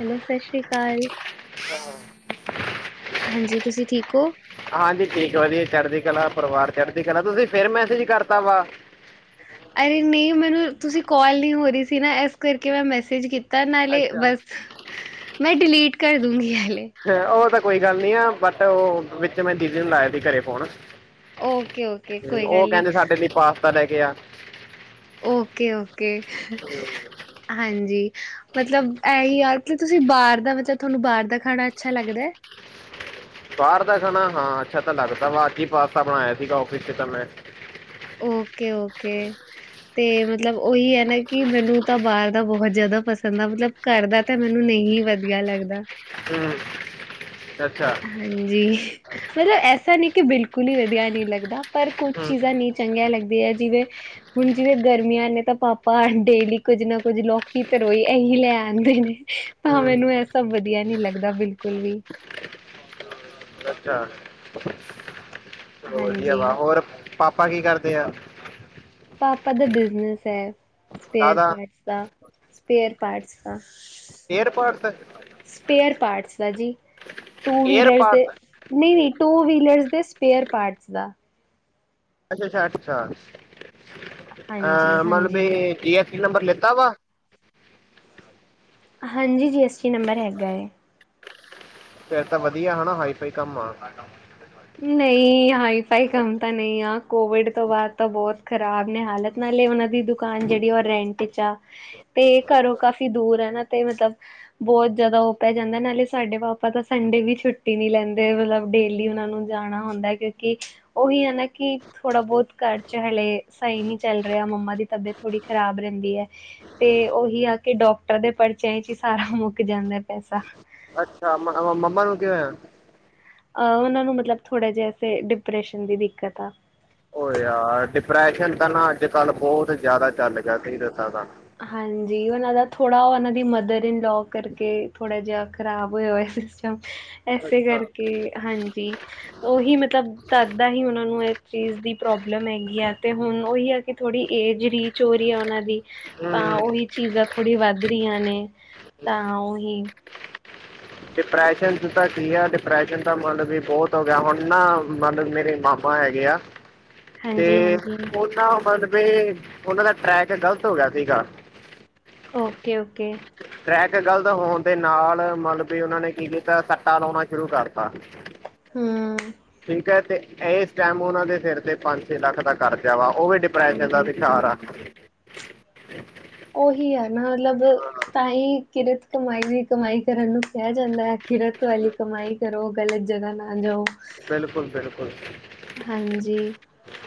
Hello ਸਤਿ ਸ਼੍ਰੀ ਅਕਾਲ [unintelligible] ਹਾਂਜੀ, ਤੁਸੀਂ ਠੀਕ ਓ? ਹਾਂਜੀ, ਠੀਕ ਵਧੀਆ, ਚੜਦੀ ਕਲਾ ਪਰਿਵਾਰ ਚੜ੍ਹਦੀ ਕਲਾ ਤੁਸੀਂ ਫੇਰ ਮੈਸੇਜ ਕਰਤਾ ਵਾ। ਅਰੇ ਨਈ, ਮੈਨੂੰ ਤੁਸੀਂ ਕੋਲ ਨੀ ਹੋ ਰਹੀ ਸੀ ਨਾ ਐਸ ਕਰਕੇ ਮੈਂ ਮੈਸੇਜ ਕੀਤਾ। ਔਰ ਨਾਲੇ ਅੱਛਾ ਵਰਕ, ਮੈਂ ਡਿਲੀਟ ਕਰ ਦੂੰਗੀ ਹਾਲੇ। ਹਾਂ, ਉਹ ਤਾਂ ਕੋਈ ਗੱਲ ਨੀ ਆ, ਬਟ ਉਹ ਵਿੱਚ ਮੈਂ ਦੀਦੀ ਨੂੰ ਲਾਇਆ ਸੀ ਘਰੇ ਫੋਨ। ਓਕੇ ਓਕੇ ਕੋਈ ਉਹ ਗੱਲ ਨਹੀਂ ਕਹਿੰਦੇ, ਸਾਡੇ ਲਈ ਪਾਸਤਾ ਲੈ ਕੇ ਆ। Okay, okay. ਹਾਂਜੀ। ਮਤਲਬ ਐਹੀ ਯਾਰ, ਤੁਸੀਂ ਬਾਹਰ ਦਾ? ਮਤਲਬ ਤੁਹਾਨੂੰ ਬਾਹਰ ਦਾ ਖਾਣਾ ਅੱਛਾ ਲੱਗਦੈ? ਬਾਹਰ ਦਾ ਖਾਣਾ, ਹਾਂ ਅੱਛਾ ਤਾਂ ਲੱਗਦਾ ਵਾ। ਕੀ, ਪਾਸਤਾ ਬਣਾਇਆ ਸੀਗਾ ਔਫਿਸ 'ਚ ਤਾਂ ਮੈਂ। Okay, okay. 'ਤੇ ਮਤਲਬ ਉਹੀ ਹੈ ਨਾ ਕਿ ਮੈਨੂੰ ਤਾਂ ਬਾਹਰ ਦਾ ਬਹੁਤ ਜ਼ਿਆਦਾ ਪਸੰਦ ਆ, ਮਤਲਬ। ਘਰ ਦਾ ਤਾਂ ਮੈਨੂੰ ਨਹੀਂ ਵਧੀਆ ਲੱਗਦਾ। ਹੂੰ। ਅੱਛਾ -। ਹਾਂਜੀ, ਮਤਲਬ ਐਸਾ ਨੀ ਕਿ ਬਿਲਕੁਲ ਹੀ ਵਧੀਆ ਨੀ ਲੱਗਦਾ, ਪਰ ਕੁਝ ਹੂੰ ਚੀਜ਼ਾਂ ਨੀ। ਚੰਗੀਆ ਲੱਗਦੀ ਐ ਚੀਜ਼, ਏ। ਹੁਣ ਜਿਵੇਂ ਗਰਮੀਆਂ ਨੇ, ਤਾਂ ਪਾਪਾ ਡੇਲੀ ਕੁੱਝ ਨਾ ਕੁੱਝ ਲੋਕੀ, ਤਰੋਈ ਐਹੀ ਲੈ ਆਂਦੇ ਨੇ। ਤਾਂ ਹੂੰ ਮੈਨੂੰ ਐਹ ਸਭ ਵਧੀਆ ਨੀ ਲੱਗਦਾ ਬਿਲਕੁਲ ਵੀ। ਅੱਛਾ, ਚਲੋ। ਵਧੀਆ ਹਾਂਜੀ ਵਾ। ਹੋਰ ਪਾਪਾ ਕੀ ਕਰਦੇ ਆ? ਪਾਪਾ ਦਾ ਬਿਜਨਸ ਹੈ, ਸਪੇਅਰ ਕਾਹਦਾ ਪਾਰਟਸ। 'ਦਾ ਸਪੇਅਰ ਪਾਰਟਸ ਦਾ'। ਏਅਰਪਾਟਸ ਦਾ? ਸਪੇਅਰ ਪਾਰਟਸ ਦਾ ਜੀ, ਟੂ - ਵੀਲਰਸ 'ਤੇ। ਨੀ -ਨੀ, ਟੂ - ਵੀਲਰਸ ਦੇ ਸਪੇਅਰ ਪਾਰਟਸ ਦਾ। ਅੱਛਾ, ਅੱਛਾ, ਅੱਛਾ, ਹਾਂਜੀ ਅ ਮਤਲਬ ਹਾਂਜੀ ਬਈ ਜੀ, ਐਸ, ਟੀ ਨੰਬਰ ਲਿੱਤਾ ਵਾ। ਹਾਂਜੀ, ਜੀ, ਐੱਸ, ਟੀ, ਨੰਬਰ ਹੈਗਾ ਏ। ਫਿਰ ਤਾਂ ਵਧੀਆ ਹਨਾ, ਹਾਈ - ਫਾਈ ਕੰਮ ਆ। ਨਹੀਂ, ਹਾਈ - ਫਾਈ ਕੰਮ ਤਾਂ ਨਹੀਂ ਆ। ਕੋਵਿਡ ਤੋਂ ਬਾਅਦ ਤਾਂ ਬਹੁਤ ਖ਼ਰਾਬ ਨੇ ਹਾਲਤ। ਨਾਲੇ ਉਹਨਾਂ ਦੀ ਦੁਕਾਨ ਜਿਹੜੀ ਆ, ਉਹ ਰੈਂਟ 'ਚ ਆ। ਤੇ ਘਰੋਂ ਕਾਫੀ ਦੂਰ ਆ ਨਾ, ਤੇ ਮਤਲਬ ਬਹੁਤ ਜ਼ਿਆਦਾ ਉਹ ਪੈ ਜਾਂਦਾ। ਨਾਲੇ ਸਾਡੇ ਪਾਪਾ ਤਾਂ ਸੰਡੇ ਵੀ ਛੁੱਟੀ ਨਹੀਂ ਲੈਂਦੇ, ਮਤਲਬ ਡੇਲੀ ਉਹਨਾਂ ਨੂੰ ਜਾਣਾ ਹੁੰਦਾ ਕਿਉਂਕਿ ਉਹੀ ਹੁੰਦਾ ਨਾ ਕਿ ਥੋੜ੍ਹਾ ਬਹੁਤ ਘਰ 'ਚ ਹਲੇ ਸਹੀ ਨੀ ਚੱਲ ਰਿਹਾ। ਮੰਮਾ ਦੀ ਤਬੀਅਤ ਥੋੜ੍ਹੀ ਖ਼ਰਾਬ ਰਹਿੰਦੀ ਐ। 'ਤੇ ਉਹੀ ਆ ਕੇ ਡਾਕਟਰ ਦੇ ਪਰਚਿਆਂ 'ਚ ਹੀ ਸਾਰਾ ਮੁੱਕ ਜਾਂਦਾ ਪੈਸਾ। ਅੱਛਾ, ਮੰਮਾ ਨੂੰ ਕਿ ਹੋਇਆ? ਅਹ, ਉਹਨਾਂ ਨੂੰ ਮਤਲਬ ਥੋੜ੍ਹਾ ਜਿਹਾ 'ਤੇ ਡਿਪਰੈਸ਼ਨ ਦੀ ਦਿੱਕਤ ਆ। ਔਹ ਯਾਰ, ਡਿਪਰੈਸ਼ਨ ਤਾਂ ਨਾ ਅੱਜ -ਕੱਲ੍ਹ ਬਹੁਤ ਜਿਆਦਾ ਚੱਲ ਗਿਆ, ਸਹੀ ਦੱਸਾਂ ਤਾਂ। ਹਾਂਜੀ, ਉਹਨਾਂ ਦਾ ਥੋੜ੍ਹਾ, ਉਹਨਾਂ ਦੀ ਮਦਰ- ਇਨ -ਲੋਅ ਕਰਕੇ ਥੋੜ੍ਹਾ ਜਿਹਾ ਖਰਾਬ ਹੋਇਆ -ਹੋਇਆ। ਇਸੇ ਅੱਛਾ ਕਰਕੇ ਹਾਂਜੀ ਉਹੀ ਮਤਲਬ ਤਦਾ ਹੀ ਉਹਨਾ ਨੂੰ ਇਸ ਚੀਜ਼ ਦੀ ਪ੍ਰੋਬਲਮ ਹੈਗੀ ਆ ਤੇ ਹੁਣ ਉਹੀ ਕਿ ਥੋੜ੍ਹੀ ਏਜ ਹ ਰੀ ਚ' ਹੋ ਰਈ ਆ ਉਹਨਾਂ ਦੀ ਹੂੰ ਤਾਂ ਉਹੀ ਚੀਜ਼ਾਂ ਥੋੜ੍ਹੀ ਵੱਧ ਰਈਆਂ ਨੇ ਤਾਂ ਉਹੀ ਡਿਪਰੈਸ਼ਨ ਤਾਂ ਕੀ ਆ ਡਿਪਰੈਸ਼ਨ ਤਾਂ ਮਤਲਬ ਵੀ ਬੋਤ ਹੋ ਗਿਆ ਹੁਣ ਨਾ ਮਤਲਬ ਮੇਰੇ ਮਾਮੇ ਮਾ ਹੈਗੇ ਆ। [inaudible] ਤੇ ਹਾਂਜੀ-ਹਾਂਜੀ ਉਹਨਾਂ ਮਤਬ ਏ ਉਹਨਾਂ ਦਾ ਟਰੈਕ ਗਲਤ ਹੋ ਗਿਆ ਸੀਗਾ। ਓਕੇ-ਓਕੇ ਟਰੈਕ ਗਲਤ ਹੋਣ ਦੇ ਨਾਲ ਮਤਲਬ ਉਹਨਾਂ ਨੇ ਕੀ ਕੀਤਾ ਸੱਟਾ ਲਾਉਣਾ ਸ਼ੁਰੂ ਕਰ ਹ ਹੂੰ ਠੀਕ ਹੈ ਤੇ ਏ। ਟਾਈਮ ਉਹਨਾਂ ਦੇ ਸਿਰ ਤੇ ਪੰਜ ਛੇ ਲੱਖ ਦਾ ਕਰਜ਼ਾ ਵਾ ਓ ਵੀ ਡਿਪ੍ਰੈਸ਼ਨ ਦਾ ਵਿਸ਼ਾਰ ਆ। ਹੂੰ ਉਹੀ ਹੈ ਨਾ ਮਤਲਬ ਤਾਂਹੀ ਕਿਰਤ ਕਮਾਈ ਦੀ ਕਮਾਈ ਕਰਨ ਨੂੰ ਕਿਆ ਜਾਂਦਾ ਹੈ ਕਿਰਤ ਵਾਲੀ ਕਮਾਈ ਕਰੋ ਗਲਤ ਜਗ੍ਹਾ ਨਾ ਜਾਓ। ਬਿਲਕੁਲ-ਬਿਲਕੁਲ ਹਾਂਜੀ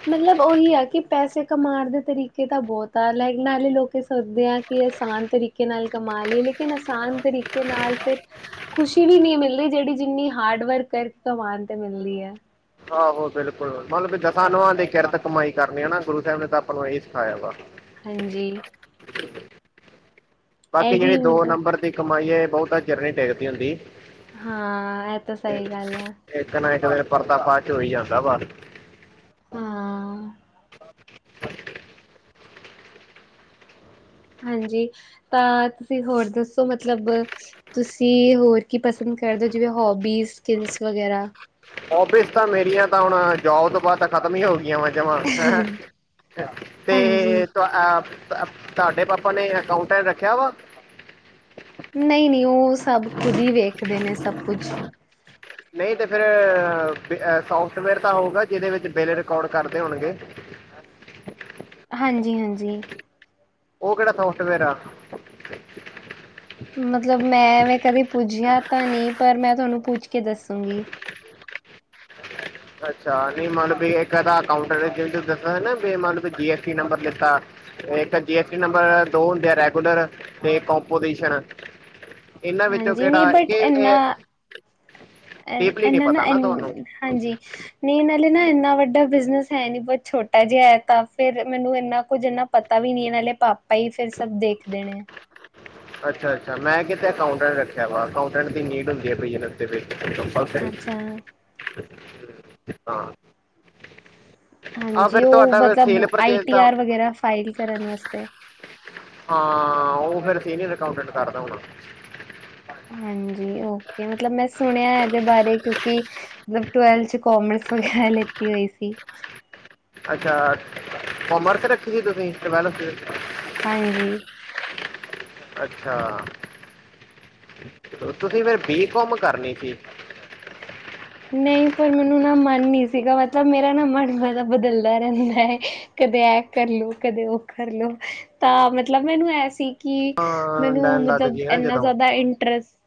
ਮਤਲਬ ਉਹੀ ਆ ਕਿ ਪੈਸੇ ਕਮਾਣ ਦੇ ਤਰੀਕੇ ਤਾਂ ਬੋਤ ਆ ਲਾਈਕ ਨਾਲੇ ਲੋਕ ਸੋਚਦੇ ਆ। ਕਿ ਆਸਾਨ ਤਰੀਕੇ ਨਾਲ ਕਮਾ ਲਈਏ ਲੇਕਿਨ ਆਸਾਨ ਤਰੀਕੇ ਨਾਲ ਫਿਰ ਖੁਸ਼ੀ ਵੀ ਨੀ ਮਿਲਦੀ ਜੇੜੀ ਜਿੰਨੀ ਹਾਰਡ ਵਰਕ ਕਰ ਕਮਾਨ ਤੇ ਮਿਲਦੀ ਐ। ਆਹੋ ਬਿਲਕੁਲ ਮਤਲਬ ਦਸਾਂ ਨੋਆਂ ਦੀ ਕਿਰਤ ਕਮਾਈ ਕਰਨੀ ਆ ਨਾ ਗੁਰੂ ਸਾਹਿਬ ਨੇ ਤਾਂ ਆਪਾਂ ਨੂੰ ਇਹ ਸਿਖਾਇਆ ਵਾ ਹਾਂਜੀ ਬਾਕੀ ਇਹੀ ਜੇੜੀ ਦੋ ਮਤਲਬ ਨੰਬਰ ਦੀ ਕਮਾਈ ਹੈ ਬੋਤਾ ਚਿਰ ਨੀ ਟੇਕਦੀ ਹੁੰਦੀ। ਹਾਂ ਇਹ ਤਾਂ ਤੇ ਸਈ ਗੱਲ ਹੈ। ਇੱਕ ਨਾ ਇੱਕ ਦਿਨ ਪਰਦਾ ਪਾਛ ਹੋਈ ਜਾਂਦਾ ਵਾ ਹਾਂ ਹਾਂਜੀ ਤਾਂ ਤੁਸੀਂ ਹੋਰ ਦੱਸੋ ਮਤਲਬ ਤੁਸੀਂ ਹੋਰ ਕੀ ਪਸੰਦ ਕਰਦੇ ਹੋ ਜਿਵੇਂ ਹੋਬੀਸ ਸਕਲਸ ਵਗੈਰਾ ਹੋਬਿਸ ਤਾਂ ਮੇਰੀਆਂ ਤਾਂ ਹੁਣ ਜੋਬ ਤੋਂ ਬਾਦ ਤਾਂ ਖ਼ਤਮ ਹੀ ਹੋ ਗਈਆਂ ਵਾ ਜਮਾਂ ਹਾਂ ਤੇ ਹਾਂਜੀ ਅ ਤ ਤੁਹਾਡੇ ਪਾਪਾ ਨੇ ਅਕਾਊਂਟਰ ਰੱਖਿਆ ਵਾ ਨਈ-ਨਈ ਓ ਸਭ ਖੁਦ ਹੀ ਵੇਖਦੇ ਨੇ ਸਭ ਕੁਛ ਨਈ ਤੇ ਫਿਰ ਸੋਫਟਵੇਅਰ ਤਾਂ ਹੋਊਗਾ ਜਿਦੇ ਵਿੱਚ ਬਿੱਲ ਰਿਕਾਰਡ ਕਰਦੇ ਹੋਣਗੇ। ਹਾਂਜੀ-ਹਾਂਜੀ ਓ ਕੇੜਾ ਸੋਫਟਵੇਅਰ ਆ ਮਤਲਬ ਮੈਂ ਐਵੇਂ ਕਦੇ ਪੁੱਜਿਆ ਤਾਂ ਨਈ ਪਰ ਮੈਂ ਤੁਹਾਨੂੰ ਪੁੱਛ ਕੇ ਦੱਸੂੰਗੀ। ਅੱਛਾ ਨਈ ਮਲਬ ਵੀ ਇੱਕਦਾ ਅਕਾਊਂਟਰ ਦਤਾ ਸੀ ਨਾ ਮਲਬ ਜੀ ਐਸ ਟੀ ਨੰਬਰ ਦਿੱਤਾ ਇੱਕ ਜੀ ਐਸ ਟੀ ਨੰਬਰ ਦੋ ਹੁੰਦੇ ਆ ਰੈਗੂਲਰ ਤੇ ਕੰਪੋਟੀਸ਼ਨ ਹਾਂਜੀ ਨਈ ਬਟ ਇਨਾ ਡੀਪਲੀ ਨਹੀਂ ਇਹਨਾਂ ਨਾ ਪਤਾ ਤੁਹਾਨੂੰ ਇ ਹਾਂਜੀ ਨਈ ਨਾਲੇ ਨਾ ਇੰਨਾ ਵੱਡਾ ਬਿਜਨਸ ਹੈ ਨੀ ਬੋਤ ਛੋਟਾ ਜਿਹਾ ਹੈ ਤਾਂ ਫੇਰ ਮੈਨੂੰ ਇੰਨਾ ਕੁੱਝ ਇਨਾ ਪਤਾ ਵੀ ਨੀ ਇਹਨਾਂ ਪਾਪਾ ਈ ਫੇਰ ਸਭ ਦੇਖਦੇ ਨੇ। ਅੱਛਾ-ਅੱਛਾ ਮੈਂ ਕਿਤੇ ਅਕਾਊਂਟੈਂਟ ਰੱਖਿਆ ਵਾ ਅਕਾਊਟੈਂਟ ਦੀ ਨੀਡ ਹੁੰਦੀ ਹੈ ਬਿਜਨਸ ਦੇ ਵਿੱਚ ਔਰ ਫਿਰ ਅੱਛਾ ਹਾਂ। ਆ ਹਾਂਜੀ ਫਿਰ ਓ ਤੁਹਾਡਾ ਫਿਰ ਮਤਲਬ ਸੇਲ ਆਈ ਪਰਚੇਸ ਟੀ ਦਾ ਆਰ ਵਗੈਰਾ ਫਾਈਲ ਕਰਨ ਵਸਤੇ ਹਾਂ ਓ ਫਿਰ ਸੀਨੀਅਰ ਐਕਿਊਟੰਟ ਕਰਦਾ ਹੋਣਾ। ਹਾਂਜੀ ਓਕੇ ਮਤਲਬ ਮੈਂ ਸੁਣਿਆ ਇਹਦੇ ਬਾਰੇ ਕਿਉਂਕਿ ਮੈਂ ਟਵਲਥ ਚ' ਕੋਮਰਸ ਲੈ ਲਿੱਤੀ ਹੋਈ ਸੀ। ਅੱਛਾ ਕੋਮਰਸ ਰੱਖੀ ਸੀ ਤੁਸੀਂ ਟਵੈਲਵ ਚ ਹਾਂਜੀ ਅੱਛਾ ਤੁਸੀਂ ਫੇਿਰ ਬੀ ਕੌਮ ਕਰਨੇ ਸੀ। ਨਹੀਂ ਪਰ ਮੈਨੂੰ ਨਾ ਮਨ ਨਹੀਂ ਸੀਗਾ ਮਤਲਬ ਮੇਰਾ ਨਾ ਮਨ ਬੜਾ ਬਦਲਦਾ ਰਹਿੰਦਾ ਹੈ। ਕਦੇ ਇਹ ਕਰਲੋ ਕਦੇ ਉਹ ਕਰਲੋ ਤਾਂ ਮਤਲਬ ਮੈਨੂੰ ਐ ਸੀ। ਕਿ ਹਾਂ ਮੈਨੂੰ ਲੈਣ ਲੱਗ ਮਤਲਬ ਜਈਏ ਨਾ ਇੰਨਾ ਜਦੋਂ ਜ਼ਿਆਦਾ ਇੰਟਰਸਟ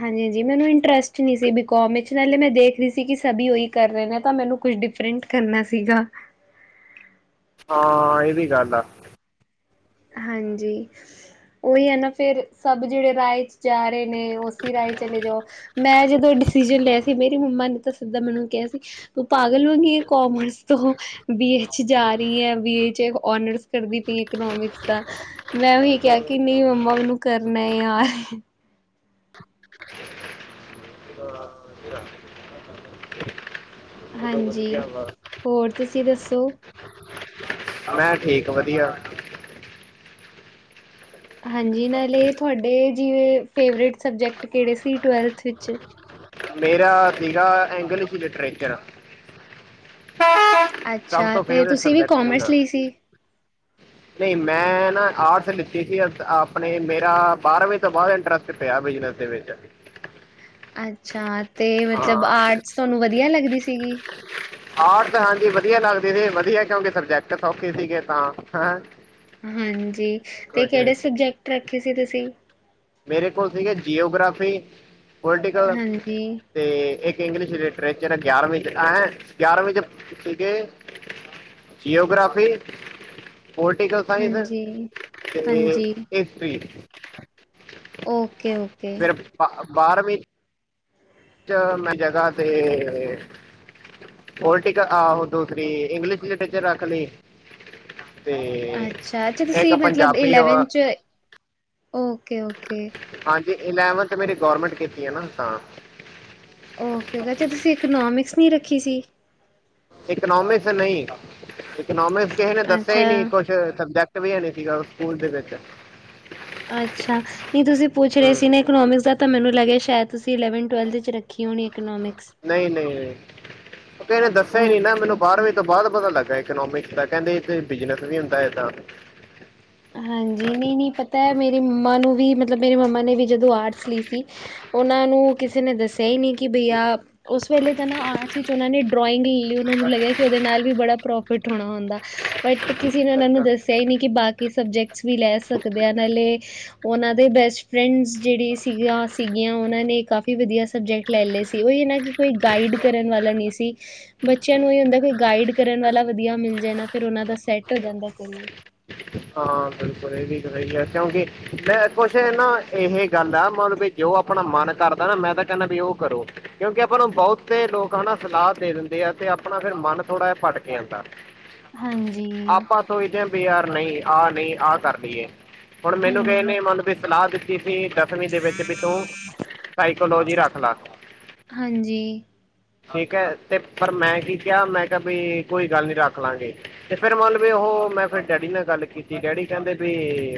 ਹਾਂਜੀ ਹਾਂਜੀ ਮੈਨੂੰ ਇੰਟਰਸਟ ਨਹੀਂ ਸੀ ਬੀਕੋਮ ਵਿੱਚ ਨਾਲੇ ਮੈਂ ਦੇਖ ਖਦੀ ਸੀ ਕਿ ਸਭ ਉਹੀ ਕਰ ਰਹੇ ਨੇ ਤਾਂ ਮੈਨੂੰ ਕੁਛ ਡਿਫਰੈਂਟ ਕਰਨਾ ਸੀਗਾ। ਹਾਂ ਇਹ ਵੀ ਗੱਲ ਆ। ਹਾਂਜੀ ਉਹੀ ਹੈ ਨਾ ਫੇਰ ਸਭ ਜਿਹੜੇ ਰਾਹੇ ਜਾ ਰਹੇ ਨੇ ਉਸਸੀ ਰਾਏ ਚਲੇ ਜਾਓ ਮੈਂ ਜਦੋਂ ਡਿਸੀਜ਼ਨ ਲਿਆ ਸੀ ਮੇਰੀ ਮੰਮਾ ਨੇ ਤਾਂ ਜਿੱਦਾਂ ਮੈਨੂੰ ਕਿਹਾ ਸੀ ਪਾਗਲਵਾਂਗੀ ਕੋਮਰਸ ਤੋਂ ਬੀਏ ਚ ਜਾ ਰਹੀ ਹੈ ਬੀਏ ਚ ਓਨਰਸ ਕਰਦੀ ਪਈ ਇਕੋਨੋਮਿਕਸ ਮੈਂ ਉਹੀ ਕਿਹਾ ਕਿ ਨਹੀਂ ਮੰਮਾ ਮੈਨੂੰ ਕਰਨਾ ਯਾਰ [unintelligible] ਚਲੋ ਹਾਂਜੀ, ਵਧੀਆ ਵਾ ਹੋਰ ਤੁਸੀਂ ਦੱਸੋ? ਮੈਂ ਠੀਕ ਵਧੀਆ। ਹਾਂਜੀ ਨਾਲੇ ਤੁਹਾਡੇ ਜਿਵੇਂ ਫੇਵਰੇਟ ਸਬਜੈਕਟ ਕਿਹੜੇ ਸੀ ਟਵੈਲਥ ਵਿੱਚ? ਮੇਰਾ ਸਿਗਾ ਇਂਗਲਿਸ਼ ਲਿਟਰੇਚਰ ਸਭ ਅੱਛਾ ਤੋਂ ਤੇ ਫੇਵਰੇਟ ਤੁਸੀਂ ਵੀ ਸਬਜੈਕਟ ਕਾਮਰਸ ਸੀਗਾ। ਲਈ ਸੀ ਨਹੀਂ ਮੈਂ ਨਾ ਆਰਟਸ ਲਿੱਤੀ ਸੀ ਆਪਣੇ ਮੇਰਾ ਬਾਰਵੀਂ ਤੋਂ ਬਾਅਦ ਇੰਟਰਸਟ ਪਿਆ ਬਿਜਨਸ ਦੇ ਵਿੱਚ। ਅੱਛਾ ਅਤੇ ਮਤਲਬ ਹਾਂ ਆਰਟਸ ਤੁਹਾਨੂੰ ਵਧੀਆ ਲੱਗਦੀ ਸੀਗੀ। ਆਰਟਸ ਹਾਂਜੀ ਵਧੀਆ ਲੱਗਦੇ ਸੀ ਵਧੀਆ ਕਿਉਂਕਿ ਸਬਜੈਕਟ ਸੌਖੇ ਸੀਗੇ ਤਾਂ ਹੈਂ ਹਾਂਜੀ ਤੇ ਕੁਛ ਕਿਹੜੇ ਸਬਜੈਕਟ ਰੱਖੇ ਸੀ ਤੁਸੀਂ? ਮੇਰੇ ਕੋਲ ਸੀਗੇ ਜੀਓਗ੍ਰਾਫੀ, ਪੋਲੀਟੀਕਲ ਹਾਂਜੀ, ਤੇ ਇੱਕ ਇੰਗਲਿਸ਼ ਲਿਟਰੇਚਰ ਗਿਆਰਵੀਂ ਚ ਐਂ ਗਿਆਰਵੀਂ ਚ ਸੀਗੇ ਜਓਗ੍ਰਫੀ। ਪੋਲੀਟੀਕਲ ਸਾਇੰਸ, ਹਾਂਜੀ, ਤੇ ਹਾਂਜੀ ਹਿਸਟਰੀ। ਓਕੇ ਓ ਫਿਰ ਬਾਰਵੀਂ ਚ ਮੈਂ ਜਗ੍ਹਾ ਤੇ ਪਲਟੀਕਲ ਆਹੋ ਦੂਸਰੀ ਇੰਗਲਿਸ਼ ਲਿਟਰੇਚਰ ਰੱਖ ਲਈ। ਅਤੇ ਅੱਛਾ ਅੱਛਾ ਇੱਕ ਤੁਸੀਂ ਮਤਲਬ ਪੰਜਾਬੀ ਇਲੈਵਨ ਔਰ ਚ, ਓਕੇ ਓਕੇ। ਹਾਂਜੀ ਇਲੈਵਨਥ ਮੇਰੀ ਗੌਰਮੈਂਟ ਕੀਤੀ ਹੈ ਨਾ ਤਾਂ ਓਕੇ ਕਚਾ ਤੁਸੀਂ ਇਕਨੋਮਿਕਸ ਨਹੀਂ ਰੱਖੀ ਸੀ? ਇਕੋਨੋਮਿਕਸ ਨਹੀਂ। ਇਕੋਨੋਮਿਕਸ ਕਿਸੇ ਨੇ ਦੱਸਿਆ ਹੀ ਅੱਛਾ, ਨਹੀਂ ਕੁਛ ਸਬਜੈਕਟ ਵੀ ਹੈਣੇ ਸੀਗਾ ਸਕੂਲ ਦੇ ਵਿੱਚ। ਅੱਛਾ ਨਹੀਂ ਤੁਸੀਂ ਪੁੱਛ ਹੂੰ ਰਹੇ ਸੀ ਨਾ ਇਕੋਨੋਮਿਕਸ ਦਾ ਤਾਂ ਮੈਨੂੰ ਲੱਗਿਆ ਸ਼ਾਇਦ ਤੁਸੀਂਲੈਵਨਥ ਟਵਲਥ ਚ ਰੱਖ ਹੋਣੀ ਇਕੋਨੋਮਿਕਸ ਨਹੀਂ ਨਹੀਂ ਨਹੀਂ। ਓ ਕਿਸੇ ਨੇ ਦੱਸਿਆ ਹੀ ਨੀ ਨਾ ਓਕੇ, ਮੈਨੂੰ ਓਕੇ ਬਾਰਵੀਂ ਤੋਂ ਬਾਅਦ ਪਤਾ ਲੱਗਾ। ਇਕੋਨੋਮਿਕਸ ਦਾ ਕਹਿੰਦੇ ਇਥੇ ਬਿਜਨਸ ਵੀ ਹੁੰਦਾ ਇਦਾਂ। ਹਾਂਜੀ ਨਈਂ-ਨਈਂ ਪਤਾ ਮੇਰੇ ਮੰਮਾ ਨੂੰ ਵੀ ਮਤਲਬ ਮੇਰੇ ਮੰਮਾ ਨੇ ਵੀ ਜਦੋਂ ਆਰਟਸ ਲਈ ਸੀ ਉਹਨਾਂ ਨੂੰ ਕਿਸੇ ਨੇ ਦੱਸਿਆ ਹੀ ਨਈ ਕਿ ਬਈ ਆ ਉਸ ਵੇਲੇ ਤਾਂ ਨਾ ਆਰਟਸ ਵਿੱਚ ਉਹਨਾਂ ਨੇ ਡਰੋਇੰਗ ਲਈ ਉਹਨਾਂ ਨੂੰ ਲੱਗਿਆ ਕਿ ਉਹਦੇ ਨਾਲ ਵੀ ਬੜਾ ਪ੍ਰੋਫਿਟ ਹੋਣਾ ਹੁੰਦਾ। ਬਟ ਕਿਸੇ ਨੇ ਉਹਨਾਂ ਨੂੰ ਅੱਛਾ ਦੱਸਿਆ ਹੀ ਨਈ ਕਿ ਬਾਕੀ ਸਬਜੈਕਟਸ ਵੀ ਲੈ ਸਕਦੇ ਆ ਨਾਲੇ ਉਹਨਾਂ ਦੇ ਬੈਸਟ ਫਰੈਂਡ ਜਿਹੜੀ ਸੀਗੀਆਂ-ਸੀਗੀਆਂ ਉਹਨਾਂ ਨੇ ਕਾਫੀ ਵਧੀਆ ਸਬਜੈਕਟ ਲੈ ਲਏ ਸੀ ਉਹੀ ਨਾ ਕਿ ਕੋਈ ਗਾਈਡ ਕਰਨ ਵਾਲਾ ਨਹੀਂ ਸੀ। ਬੱਚਿਆਂ ਨੂੰ ਇਹ ਹੁੰਦਾ ਕਿ ਗਾਈਡ ਕਰਨ ਵਾਲਾ ਵਧੀਆ ਮਿਲ ਜੇ ਨਾ ਫਿਰ ਉਹ ਦਾ ਸੈਟ ਹੋ ਜਾਂਦਾ ਕੋਈ ਹਾਂ ਬਿਲਕੁਲ ਇਹ ਵੀ ਤਾਂ ਸਹੀ ਹੈ ਕਿਉਂਕਿ ਮੈਂ ਕੁਛ ਨਾ ਇਹ ਗੱਲ ਆ ਮਤਲਬ ਵੀ ਜੋ ਆਪਣਾ ਮਨ ਕਰਦਾ ਨਾ ਮੈਂ ਤਾਂ ਕਹਿੰਦਾ ਵੀ ਉਹ ਕਰੋ। ਕਿਉਂਕਿ ਆਪਾਂ ਨੂੰ ਬਹੁਤੇ ਲੋਕ ਹਨਾ ਸਲਾਹ ਦੇ ਦਿੰਦੇ ਆ, ਤੇ ਆਪਣਾ ਫਿਰ ਮਨ ਥੋੜ੍ਹਾ ਜਿਹਾ ਭਟਕ ਜਾਂਦਾ। ਹਾਂਜੀ। ਆਪਾਂ ਸੋਚਦੇ ਆ ਬਈ ਯਾਰ ਨਈ ਆਹ ਨਈ ਆਹ ਕਰ ਲਈਏ ਹੁਣ ਮੈਨੂੰ ਕਿਹੈ ਹਾਂਜੀ, ਨੇ ਮੈਨੁ ਕੋਈ ਸਲਾਹ ਦਿੱ ਤੀ ਸੀ ਕਿ ਦਸਵੀਂ ਦੇ ਵਿੱਚ ਵੀ ਤੂੰ ਸਾਈਕੋਲੋਜੀ ਰੱਖ ਲਾ। ਹਾਂਜੀ। ਠੀਕ ਹੈ, ਤੇ ਪਰ ਮੈਂ ਕੀ ਕਿਹਾ ਮੈਂ ਕਿਹਾ ਬਈ ਕੋਈ ਗੱਲ ਨੀ ਰੱਖ ਲਾਗੇ। ਤੇ ਫੇਰ ਮੇਨ ਵੀ ਉਹ ਮੈਂ ਫਿਰ ਡੈਡੀ ਨਾਲ ਗੱਲ ਕੀਤੀ ਡੈਡੀ ਕਹਿੰਦੇ ਵੀ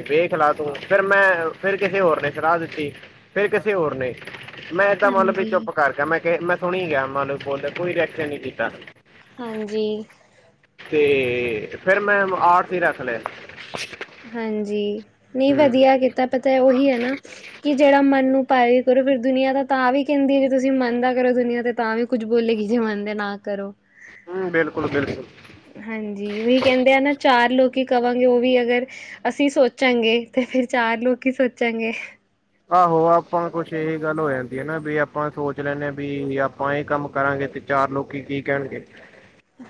ਵੇਖਲਾ ਤੂੰ ਫੇਰ ਮੈਂ ਫੇਰ ਕਿਸੇ ਹੋਰ ਨੇ ਸਲਾਹ ਦਿੱਤੀ ਫੇਰ ਕਿਸੇ ਹੋਰ ਨੇ। ਮੈਂ ਤਾਂ ਮਤਲਬ ਵੀ ਹਾਂਜੀ। ਚੁੱਪ ਕਰ ਗਿਆ ਮੈਂ ਕਿਹਾ ਮੈਂ ਸੁਣੀ ਗਿਆ ਮਲ ਬੋਲੌ ਕੋਈ ਰਿਐਕਸ਼ਨ ਨੀ ਕੀਤਾ। ਹਾਂਜੀ। ਤੇ ਫੇਰ ਮੈਂ ਆਰਟਸ ਹੀ ਰੱਖ ਲਏ। ਹਾਂਜੀ, ਨਈਂ ਹੂੰ ਵਧੀਆ ਕੀਤਾ ਪਤਾ ਉਹੀ ਹੈ ਨਾ ਕਿ ਜਿਹੜਾ ਮਨ ਨੂੰ ਪਰ ਕਰੋ ਫਿਰ ਦੁਨੀਆਂ ਤਾਂ ਵੀ ਕਹਿੰਦੀ ਹੈ ਜੇ ਤੁਸੀਂ ਮੰਨ ਦਾ ਕਰੋ ਦੁਨੀਆਂ ਤੇ ਤਾਂ ਵੀ ਕੁੱਝ ਬੋਲੇਗੀ ਜੇ ਮੰਨਦੇ ਨਾ ਕਰੋ। ਹੂੰ ਬਿਲਕੁਲ-ਬਿਲਕੁਲ। ਹਾਂਜੀ ਉਹੀ ਕਹਿੰਦੇ ਆ ਨਾ ਚਾਰ ਲੋਕੀ ਕਵਾਂਗੇ ਉਹ ਵੀ ਅਗਰ ਅਸੀਂ ਸੋਚਾਂਗੇ ਤੇ ਫੇਰ ਚਾਰ ਲੋਕ ਕੀ ਸੋਚਾਂਗੇ। ਆਹੋ ਆਪਾਂ ਕੁਛ ਇਹੀ ਗੱਲ ਹੋ ਜਾਂਦੀ ਹੈ ਨ ਵੀ ਆਪਾਂ ਸੋਚ ਲੈਂਦੇ ਹਾਂ ਵੀ ਆਪਾਂ ਇਹ ਕੰਮ ਕਰਾਂਗੇ ਤੇ ਚਾਰ ਲੋਕੀ ਕੀ ਕਹਿਣਗੇ।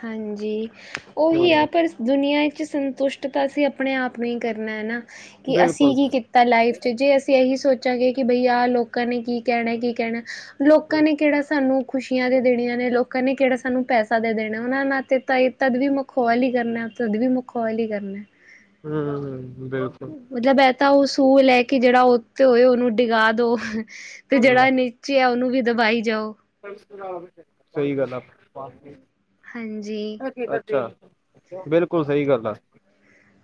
ਹਾਂਜੀ, ਹੂੰ, ਉਹੀ ਆ ਪਰ ਦੁਨੀਆ ਚ ਸੰਤੁਸ਼ਟ ਤਾਂ ਅਸੀਂ ਆਪਣੇ ਆਪ ਨੂੰ ਹੀ ਕਰਨਾ ਹੈ ਨਾ ਕਿ ਅਸੀਂ ਬਿਲਕੁਲ ਕੀ ਕੀਤ ਤਾਂ ਲਾਈਫ ਚ ਜੇ ਅਸੀਂ ਇਹੀ ਸੋਚਾਂਗੇ ਕਿ ਬਈ ਆਹ ਲੋਕਾਂ ਨੇ ਕੀ ਕਹਿਣਾ ਕੀ ਕਹਿਣਾ ਲੋਕਾਂ ਨੇ ਕਿਹੜਾ ਸਾਨੂੰ ਖੁਸ਼ੀਆਂ ਦੇ ਦੇਣੀਆਂ ਨੇ, ਲੋਕਾਂ ਨੇ ਕਿਹੜਾ ਸਾਨੂੰ ਪੈਸਾ ਦੇ ਦੇਣ ਉਹਨਾਂ ਨਾਲ ਤੇ ਤ ਤਦ ਵੀ ਮਖੋਲ ਹੀ ਕਰਨਾ, ਤਦ ਵੀ ਮਖੋਲ ਹੀ ਕਰਨਾ। ਹੂੰ ਬਿਲ ਮਤਲਬ ਇਹ ਤਾਂ ਉਸੂਲ ਏ ਕੇ ਜਿਹੜਾ ਉੱਤੇ ਹੋਏ ਉਹਨੂੰ ਡਿਗਾ ਦੋ। ਤੇ ਜਿਹੜਾ ਹੂੰ ਨੀਚੇ ਆ ਉਹਨੂੰ ਵੀ ਦਬਾਈ ਜਾਓ। ਸਹੀ ਗੱਲ ਆ। ਹਾਂਜੀ। ਅੱਛਾ ਬਿਲਕੁਲ ਸਹੀ ਗੱਲ ਆ।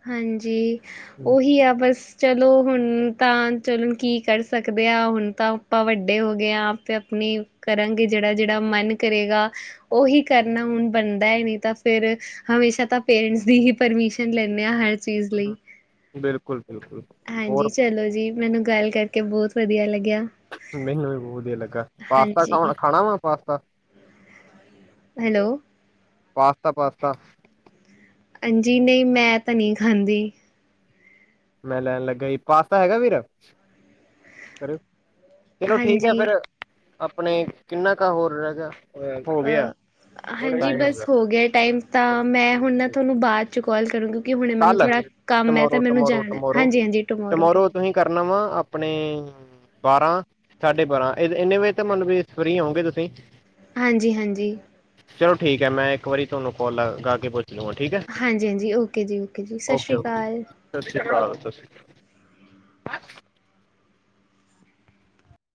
ਹਾਂਜੀ, ਹੂੰ, ਉਹੀ ਆ ਬਸ। ਚਲੋ ਹੁਣ ਤਾਂ ਚਲੋ ਕੀ ਕਰ ਸਕਦੇ ਆ ਹੁਣ ਤਾਂ ਆਪਾਂ ਵੱਡੇ ਹੋ ਗਏ ਆ ਆਪੇ ਆਪਣੀ ਕਰਾਂਗੇ ਜਿਹੜਾ-ਜਿਹੜਾ ਮਨ ਕਰੇਗਾ। ਉਹੀ ਕਰਨਾ ਹੁਣ ਬਣਦਾ ਹੈ ਨਈ ਤਾਂ ਫੇਰ ਹਮੇਸ਼ਾ ਤਾਂ ਪੇਰੈਂਟਸ ਦੀ ਹੀ ਪਰਮਿਸ਼ਨ ਲੈ ਨੇ ਆ ਹਰ ਚੀਜ਼ ਲਈ ਬਿਲਕੁਲ ਬਿਲਕੁਲ ਹਾਂਜੀ ਹੋਰ ਚਲੋ ਜੀ ਮੈਨੂੰ ਗੱਲ ਕਰ ਕੇ ਬੌਤ ਵਧੀਆ ਲੱਗਿਆ ਮੈਨੂੰ ਵੀ ਬੋਧ ਵਦੀਆ ਲੱਗਾ ਪਾਸਤਾ ਹਾਂਜੀ ਖਾ, ਖਾਣਾ ਵਾ ਪਾਸਤਾ ਹੈਲੋ ਪਾਸਤਾ-ਪਾਸਤਾ ਆਂਜੀ ਨਈ ਮੈਂ ਤਾ ਨਈ ਖਾਂਦੀ। ਮੈਂ ਲੈਣ ਲੱਗਾ ਈ ਪਾਸਤਾ ਹੈਗਾ ਵੀਰ? ਚਲੋ ਠੀਕ ਐ ਹਾਂਜੀ। ਫਿਰ, ਆਪਣੇ ਕਿੰਨਾ ਕੁ ਹੋਰ ਰੈ ਗਿਆ ਅ ਹੋ ਗਿਆ। ਅ ਹਾਂਜੀ ਬਸ ਹੋ ਗਿਆ ਟਾਈਮ ਤਾਂ ਮੈਂ ਹੁਣ ਨਾ ਤੁਆਨੂੰ ਬਾਅਦ 'ਚ ਕਾੱਲ ਕਰੂੰਗੀ ਕਿਉਂਕਿ ਹੁਣੇ ਮੈਨੂੰ ਥੋੜ੍ਹਾ ਕੰਮ ਐ ਤਾ ਮੈਨੂੰ ਜਾਣਾ ਕਰੋ ਹਾਂਜੀ ਹਾਂਜੀ ਟਮੋਰੋ ਟੁਮੋਰੋ ਤੁਹੀਂ ਟਮੋਰੋ ਕਰਨਾ ਵਾ ਆਪਣੇ ਬਾਰਾਂ- ਸਾਢੇ ਬਾਰਾਂ ਏਨੇ ਵਜੇ ਤਾਂ ਮਲ ਵੀ ਫਰੀ ਹੋਓਗੇ ਤੁਸੀਂ? ਹਾਂਜੀ-ਹਾਂਜੀ। ਚਲੋ ਠੀਕ ਐ, ਮੈਂ ਇੱਕ ਵਾਰੀ ਥਾਨੂੰ ਕਾੱਲ ਗਾ ਕੇ ਪੁੱਛ ਹੋਰ ਠੀਕ ਐ? ਹਾਂਜੀ-ਹਾਂਜੀ ਓਕੇ ਜੀ, ਓਕੇ ਜੀ ਸਾਸ਼੍ਰੀਕਾਲ। ਹਾਂ ਸਸਰੀਕ।